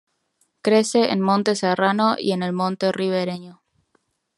Crece en monte serrano y en el monte ribereño.